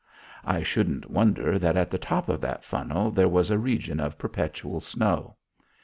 I shouldn't wonder that at the top of that funnel there was a region of perpetual snow.